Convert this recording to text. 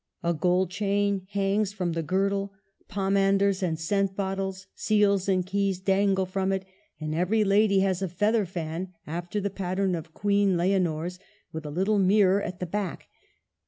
A gold chain hangs from the girdle ; pomanders and scent bottles, seals and keys dangle from it; and every lady has a feather fan, after the pattern of Queen Leonor's, with a little mirror at the back.